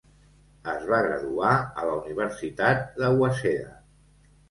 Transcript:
Es va graduar a la Universitat de Waseda.